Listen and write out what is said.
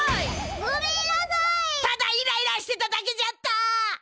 ただイライラしてただけじゃった！